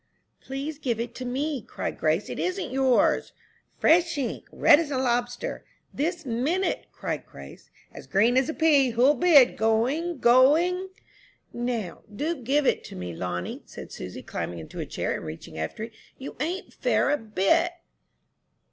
'" "Please give it to me," cried Grace; "it isn't yours." "'Fresh ink, red as a lobster!'" "This minute!" cried Grace. "'As green as a pea! Who'll bid? Going! Going!'" "Now, do give it to me, Lonnie," said Susy, climbing into a chair, and reaching after it; "you ain't fair a bit."